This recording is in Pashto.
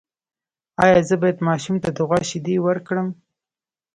ایا زه باید ماشوم ته د غوا شیدې ورکړم؟